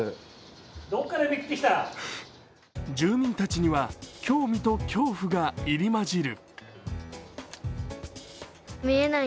住民たちには興味と恐怖が入り交じる。